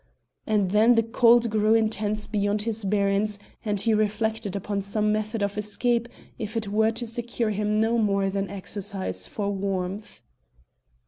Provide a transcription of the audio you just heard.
And then the cold grew intense beyond his bearance, and he reflected upon some method of escape if it were to secure him no more than exercise for warmth.